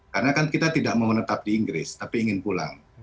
karena kan kita tidak mau menetap di inggris tapi ingin pulang